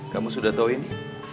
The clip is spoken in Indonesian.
kamu sudah tau ini